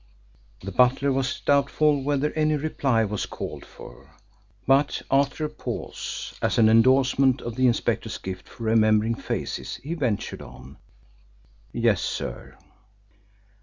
The butler was doubtful whether any reply was called for, but after a pause, as an endorsement of the inspector's gift for remembering faces, he ventured on: "Yes, sir."